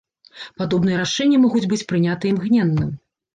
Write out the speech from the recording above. Падобныя рашэнні могуць быць прынятыя імгненна.